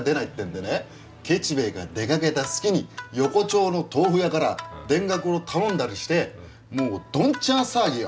ケチ兵衛が出かけた隙に横丁の豆腐屋から田楽を頼んだりしてもうどんちゃん騒ぎよ。